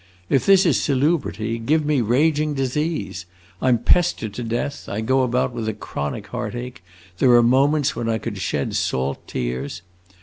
If this is salubrity, give me raging disease! I 'm pestered to death; I go about with a chronic heartache; there are moments when I could shed salt tears.